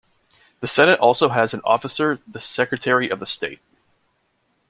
The Senate also has as an officer the Secretary of the Senate.